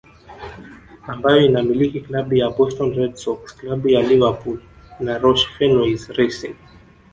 Ambayo inamiliki Klabu ya Boston Red Sox klabu ya Liverpool na Roush Fenways Racing